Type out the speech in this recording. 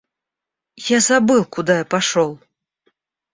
Я забыл, куда я пошел!